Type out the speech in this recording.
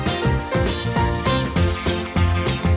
เอามาเยอะเลย